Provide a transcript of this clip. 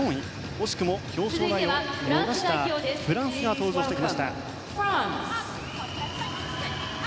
惜しくも表彰台を逃したフランスが登場してきました。